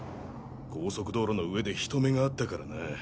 高速道路の上で人目があったからな。